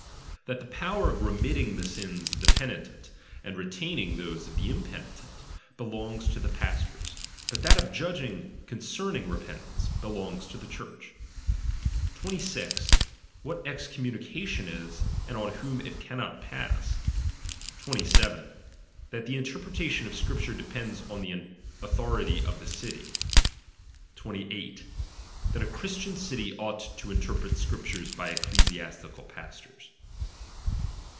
That the power of remitting the sins of the penitent, and retaining those of the impenitent, belongs to the pastors; but that of judging con cerning repentance belongs to the Church. 26. What excom munication is, and on whom it cannot pass. 27. That the interpretation of Scripture depends on the authority of the city. 28. That a Christian city ought to interpret Scriptures by ecclesiastical pastors.